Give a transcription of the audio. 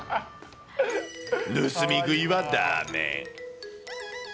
盗み食いはダメ！